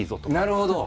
なるほど！